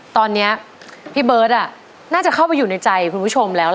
ตอนนี้พี่เบิร์ตน่าจะเข้าไปอยู่ในใจคุณผู้ชมแล้ว